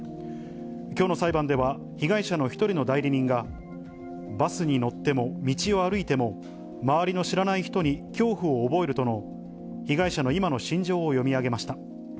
きょうの裁判では被害者の１人の代理人が、バスに乗っても、道を歩いても、周りの知らない人に恐怖を覚えるとの被害者の今の心情を読み上げました。